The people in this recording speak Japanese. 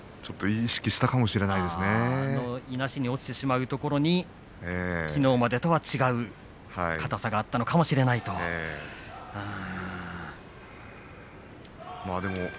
意識しなくても落ちてしまうところにきのうまでとは違う硬さがあったかもしれないということですね。